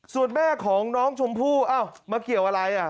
ส่วนแม่ของน้องชมพู่อ้าวมาเกี่ยวอะไร